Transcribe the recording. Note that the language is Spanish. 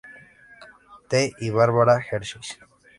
T y Barbara Hershey.